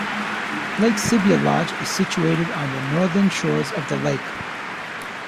Lake Sibaya Lodge is situated on the northern shores of the lake.